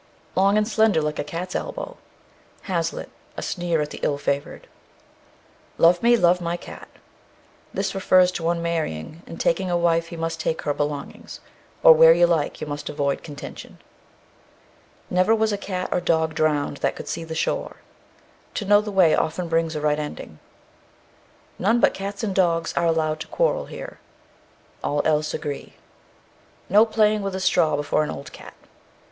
Long and slender like a cat's elbow. HAZLITT. A sneer at the ill favoured. Love me, love my cat. This refers to one marrying; in taking a wife he must take her belongings. Or, where you like, you must avoid contention. Never was cat or dog drowned that could see the shore. To know the way often brings a right ending. None but cats and dogs are allowed to quarrel here. All else agree. _No playing with a straw before an old cat.